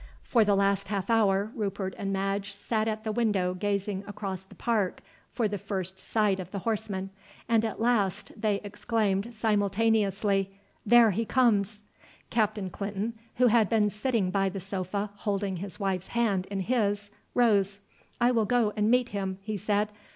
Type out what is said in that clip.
For the last half hour Rupert and Madge sat at the window gazing across the park for the first sight of the horseman, and at last they exclaimed simultaneously, "There he comes!" Captain Clinton, who had been sitting by the sofa holding his wife's hand in his, rose. "I will go and meet him," he said.